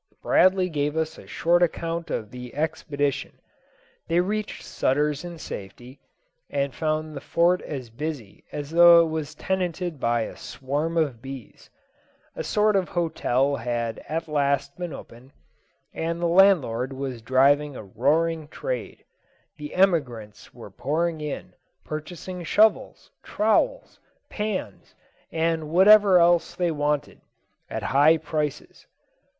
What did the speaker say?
Bradley gave us a short account of the expedition. They reached Sutter's in safety, and found the Fort as busy as though it was tenanted by a swarm of bees. A sort of hotel had at last been opened, and the landlord was driving a roaring trade. The emigrants were pouring in, purchasing shovels, trowels, pans, and whatever else they wanted, at high prices.